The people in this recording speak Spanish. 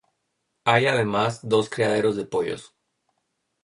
Hay además, dos criaderos de pollos.